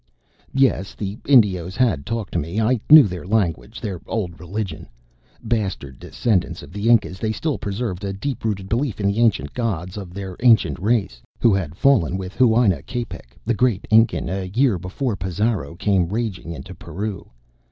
Yes, the Indios had talked to me. I knew their language, their old religion. Bastard descendants of the Incas, they still preserved a deep rooted belief in the ancient gods of their ancient race, who had fallen with Huayna Capac, the Great Inca, a year before Pizarro came raging into Peru.